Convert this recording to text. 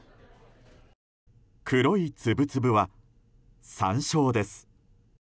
黒い粒々は山椒です。